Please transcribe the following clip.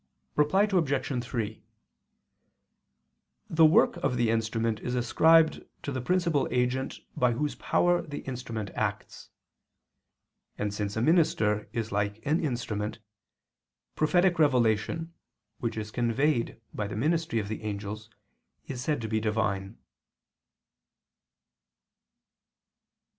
Reply Obj. 3: The work of the instrument is ascribed to the principal agent by whose power the instrument acts. And since a minister is like an instrument, prophetic revelation, which is conveyed by the ministry of the angels, is said to be Divine.